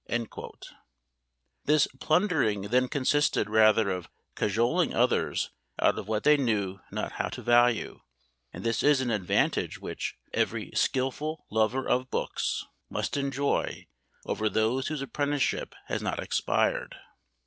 _" This plundering then consisted rather of cajoling others out of what they knew not how to value; and this is an advantage which every skilful lover of books must enjoy over those whose apprenticeship has not expired.